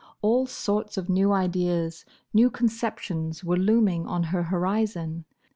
All sorts of new ideas, new conceptions, were looming on her horizon.